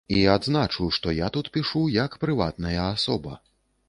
І адзначу, што я тут пішу як прыватная асоба.